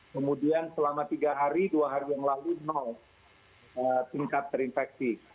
kemudian selama tiga hari dua hari yang lalu tingkat terinfeksi